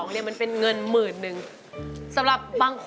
ร้องได้ให้ร้าน